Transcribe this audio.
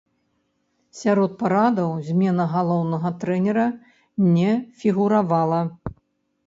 Сярод парадаў змена галоўнага трэнера не фігуравала.